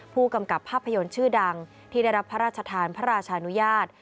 ผู้กำกับภาพยนตร์ชื่อดังที่ได้รับพระราชทานพระราชานุญาต